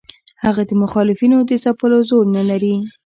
هغه د مخالفینو د ځپلو زور نه لري.